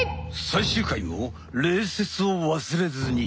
最終回も礼節を忘れずに。